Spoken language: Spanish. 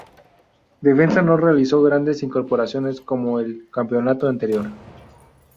Defensa no realizó grandes incorporaciones como en el campeonato anterior.